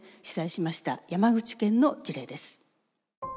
取材しました山口県の事例です。